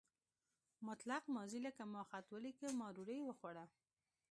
مطلق ماضي لکه ما خط ولیکه یا ما ډوډۍ وخوړه.